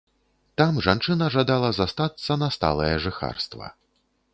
Там жанчына жадала застацца на сталае жыхарства.